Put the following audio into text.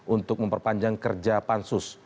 untuk memperpanjang kerja pansus